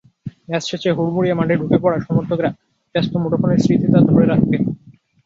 Match শেষে হুড়মুড়িয়ে মাঠে ঢুকে পড়া সমর্থকেরা ব্যস্ত মুঠোফোনে স্মৃতিটা ধরে রাখতে।